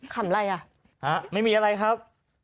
คำไรไม่มีอะไรครับ